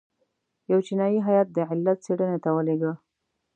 یو چینایي هیات د علت څېړنې ته ولېږه.